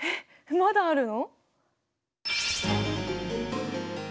まだあるの？